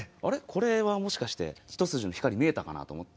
これはもしかして一筋の光見えたかなと思って。